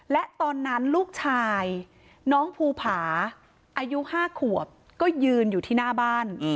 และตอนนั้นลูกชายน้องภูผาอายุ๕ขวบก็ยืนอยู่ที่หน้าบ้าน